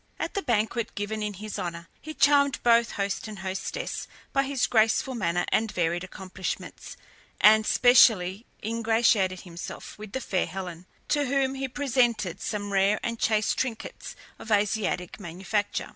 At the banquet given in his honour, he charmed both host and hostess by his graceful manner and varied accomplishments, and specially ingratiated himself with the fair Helen, to whom he presented some rare and chaste trinkets of Asiatic manufacture.